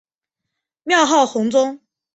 庙号弘宗。